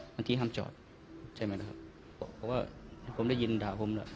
บางทีห้ามจอดใช่ไหมนะครับเพราะว่าผมได้ยินด่าผมแหละ